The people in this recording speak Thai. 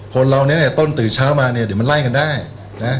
คนเราเนี่ยต้นตื่นเช้ามาเนี่ยเดี๋ยวมันไล่กันได้นะ